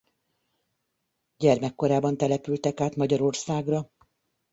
Gyermekkorában települtek át Magyarországra.